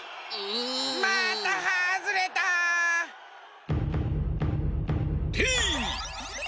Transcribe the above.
またはずれた！てい！